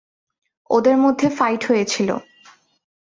ওদের মধ্যে ফাইট হয়েছিল।